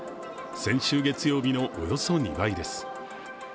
先週月曜日のおよそ２倍です。